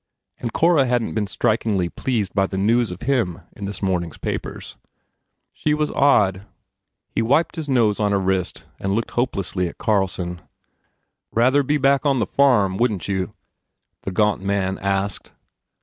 And Cora hadn t been strik ingly pleased by the news of him in this morning s papers. She was odd. He wiped his nose on a wrist and looked hopelessly at Carlson. "Rather be back on the farm, wouldn t you?" the gaunt man asked.